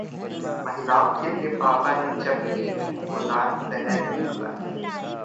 महिलाओं के लिए बाबा ने जब भी मुंह खोला जहर ही उगला